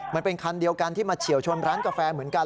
มันเป็นคันเดียวกันที่มาเฉียวชนร้านกาแฟเหมือนกัน